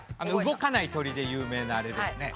動かない鳥で有名なあれですね。